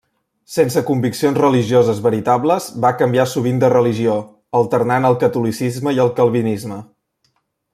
Sense conviccions religioses veritables va canviar sovint de religió, alternant el catolicisme i el calvinisme.